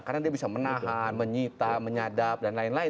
karena dia bisa menahan menyita menyadap dan lain lain